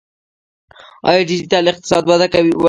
آیا ډیجیټل اقتصاد وده کوي؟